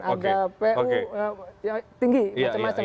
ada pu yang tinggi macam macam